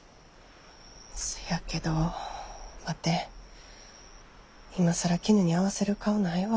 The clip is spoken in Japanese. せやけどワテ今更キヌに合わせる顔ないわ。